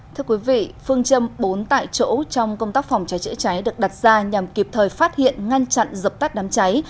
thưa quý vị phương châm bốn tại chỗ trong công tác phòng cháy chữa cháy được đặt ra nhằm kịp thời phát hiện ngăn chặn dập tắt đám cháy